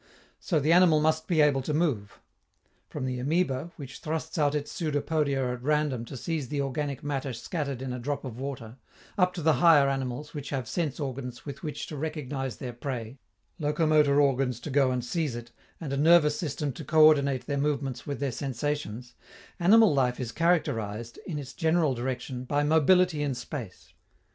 So the animal must be able to move. From the amoeba, which thrusts out its pseudopodia at random to seize the organic matter scattered in a drop of water, up to the higher animals which have sense organs with which to recognize their prey, locomotor organs to go and seize it, and a nervous system to coördinate their movements with their sensations, animal life is characterized, in its general direction, by mobility in space.